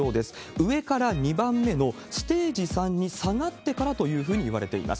上から２番目のステージ３に下がってからというふうにいわれています。